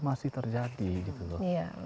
masih terjadi gitu loh